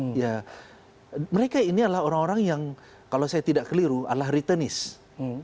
mereka ini adalah orang orang yang kalau saya tidak kira mereka adalah orang orang yang kalau saya tidak kira mereka adalah orang orang yang kalau saya tidak kira